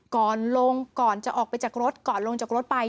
ก่อนลงก่อนจะออกไปจากรถก่อนลงจากรถไป